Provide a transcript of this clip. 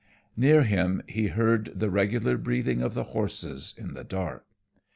Near him he heard the regular breathing of the horses in the dark.